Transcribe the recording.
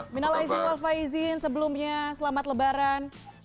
minalaizin malfaizin sebelumnya selamat lebaran